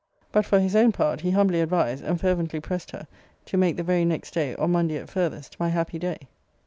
but, for his own part, he humbly advised, and fervently pressed her, to make the very next day, or Monday at farthest, my happy day.